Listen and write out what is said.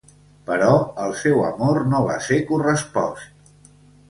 Però el seu amor no va ser correspost.